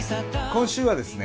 今週はですね